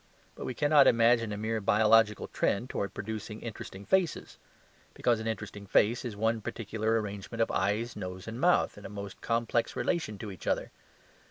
But we cannot imagine a mere biological trend towards producing interesting faces; because an interesting face is one particular arrangement of eyes, nose, and mouth, in a most complex relation to each other.